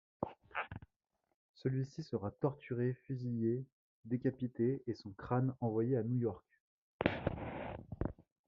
Celui-ci sera torturé, fusillé, décapité et son crâne envoyé à New York.